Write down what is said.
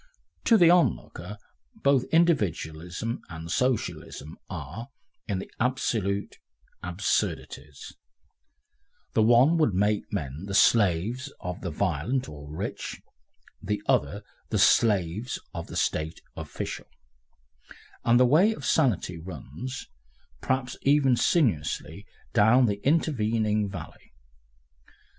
To the onlooker, both Individualism and Socialism are, in the absolute, absurdities; the one would make men the slaves of the violent or rich, the other the slaves of the State official, and the way of sanity runs, perhaps even sinuously, down the intervening valley.